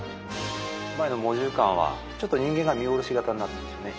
前の猛獣館はちょっと人間が見下ろし型になってるんですね